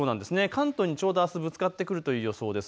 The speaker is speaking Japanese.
関東にちょうどあすぶつかってくるという予想です。